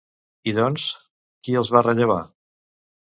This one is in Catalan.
I doncs, qui els va rellevar?